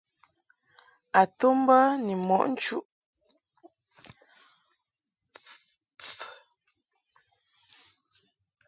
A to mbə ni mɔʼ nchuʼ.